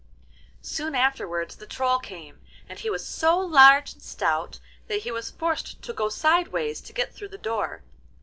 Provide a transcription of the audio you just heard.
Soon afterwards the Troll came, and he was so large and stout that he was forced to go sideways to get through the door.